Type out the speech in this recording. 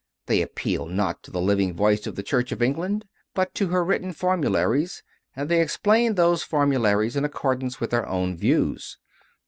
They appeal not to the living voice of the Church of England, but to her written formularies, and they explain those formu laries in accordance with their own views.